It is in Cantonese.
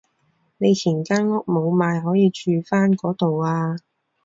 你以前間屋冇賣可以住返嗰度啊